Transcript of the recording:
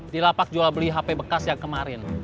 di lapak jual beli hp bekas yang kemarin